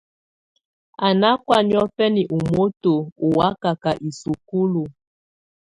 Á ná kɔ̀á niɔ̀fɛna ú moto ù wakaka isukulu.